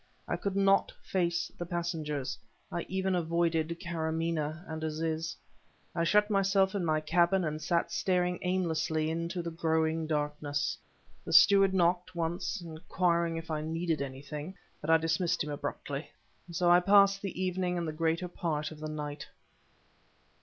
I could not face the passengers; I even avoided Karamaneh and Aziz. I shut myself in my cabin and sat staring aimlessly into the growing darkness. The steward knocked, once, inquiring if I needed anything, but I dismissed him abruptly. So I passed the evening and the greater part of the night.